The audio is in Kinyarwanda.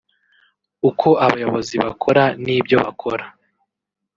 uko abayobozi bakora n’ibyo bakora